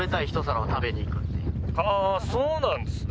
ああそうなんですね。